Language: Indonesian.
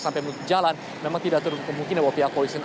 sampai menuju ke jalan memang tidak terlalu kemungkinan bahwa pihak kepolisian